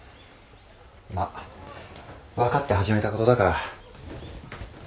まあ分かって始めたことだから。